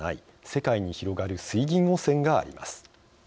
世界に広がる水銀汚染があります。